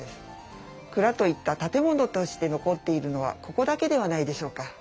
蔵といった建物として残っているのはここだけではないでしょうか。